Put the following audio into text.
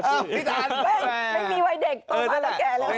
ไม่ไม่มีวัยเด็กโตมาแล้วแก่แล้วแก่